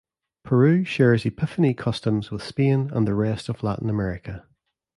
Peru shares Epiphany customs with Spain and the rest of Latin America.